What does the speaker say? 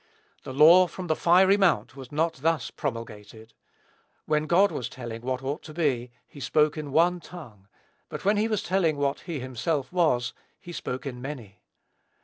The law from the fiery mount was not thus promulgated. When God was telling what man ought to be, he spoke in one tongue; but when he was telling what he himself was, he spoke in many.